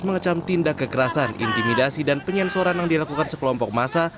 mengecam tindak kekerasan intimidasi dan penyensoran yang dilakukan sekelompok masa